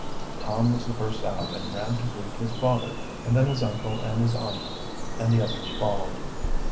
Tom was the first out and ran to greet his father, and then his uncle and his aunt, and the others followed.